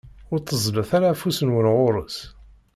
Ur tteẓẓlet ara afus-nwen ɣur-s!